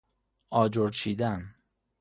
آجر چیدن